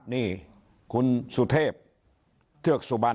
นี่คุณสุเทพเทือกสุบัน